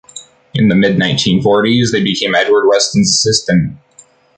In the mid-nineteen forties, they became Edward Weston’s assistant.